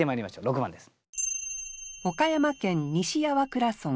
６番です。